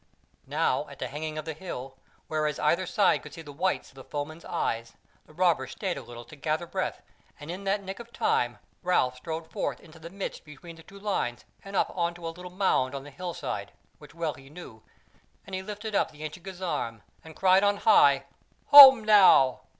Now at the hanging of the hill, whenas either side could see the whites of the foemen's eyes, the robbers stayed a little to gather breath; and in that nick of time Ralph strode forth into the midst between the two lines and up on to a little mound on the hill side (which well he knew), and he lifted up the ancient guisarme, and cried on high: "Home now!